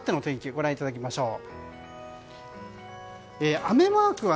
ご覧いただきましょう。